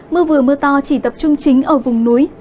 mưa vừa mưa to chỉ tập trung chính ở vùng núi